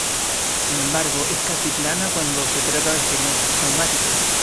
Sin embargo, es casi plana cuando se trata de experiencias traumáticas.